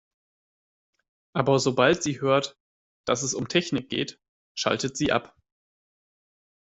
Aber sobald sie hört, dass es um Technik geht, schaltet sie ab.